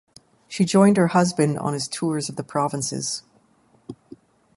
She joined her husband on his tours of the provinces.